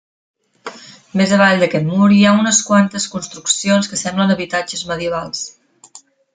Més avall d'aquest mur hi ha unes quantes construccions que semblen habitatges medievals.